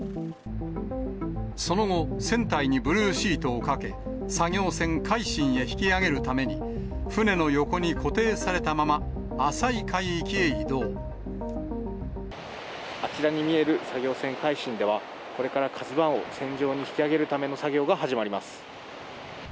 その後、船体にブルーシートをかけ、作業船、海進へ引き揚げるために、船の横に固定されたまま、浅い海域へ移あちらに見える、作業船、海進では、これからＫＡＺＵＩを船上に引き揚げるための作業が始まります。